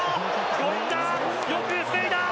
権田、よく防いだ。